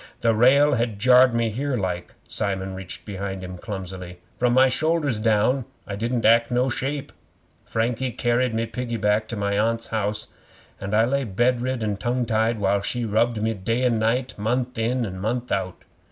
'The rail had jarred me in here like.' Simon reached behind him clumsily. 'From my shoulders down I didn't act no shape. Frankie carried me piggyback to my Aunt's house, and I lay bed rid and tongue tied while she rubbed me day and night, month in and month out.